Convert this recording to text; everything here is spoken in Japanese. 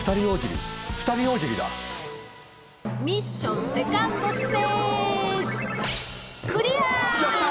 ミッションセカンドステージやった！